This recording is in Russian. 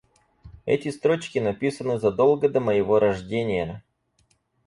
Эти строчки написаны задолго до моего рождения.